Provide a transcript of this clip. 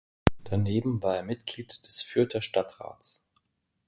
Daneben war er Mitglied des Fürther Stadtrats.